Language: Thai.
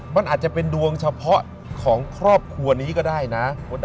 มันอาจจะเป็นดวงเฉพาะของครอบครัวนี้ก็ได้นะ